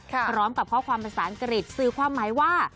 พร้อมกับข้อความภาษาอังกฤษสื่อความหมายว่า